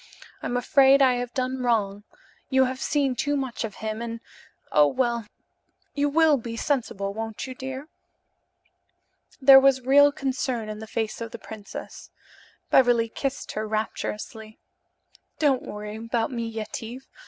I'm afraid I have done wrong. You have seen too much of him and oh, well, you will be sensible, won't you, dear?" There was real concern in the face of the princess. Beverly kissed her rapturously. "Don't worry about me, Yetive.